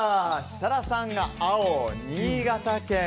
設楽さんが青、新潟県。